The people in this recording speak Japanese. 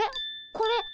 これ。